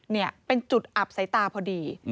เนี่ยเป็นจุดอับใสตาพอดี